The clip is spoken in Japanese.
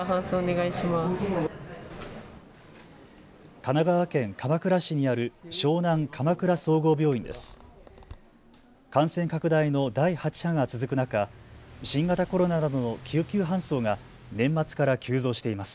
神奈川県鎌倉市にある湘南鎌倉総合病院です。